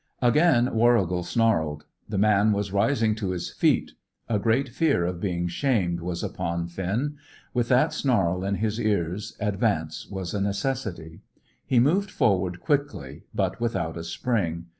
Again Warrigal snarled. The man was rising to his feet. A great fear of being shamed was upon Finn. With that snarl in his ears advance was a necessity. He moved forward quickly, but without a spring.